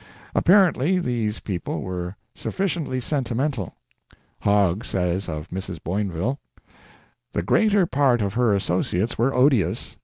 Apparently these people were sufficiently sentimental. Hogg says of Mrs. Boinville: "The greater part of her associates were odious.